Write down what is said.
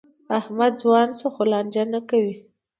احمد ځوان شو؛ خو لانجه نه کوي.